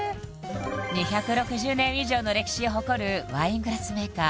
２６０年以上の歴史を誇るワイングラスメーカー